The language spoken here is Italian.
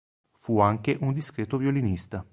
Fu anche un discreto violinista.